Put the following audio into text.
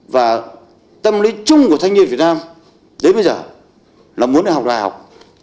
và tâm lý chung của thanh niên việt nam đến bây giờ là muốn đại học đại học